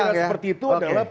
karena pikiran seperti itu adalah